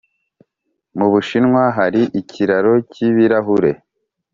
Mu bushinwa hari ikiraro cy’ibirahure.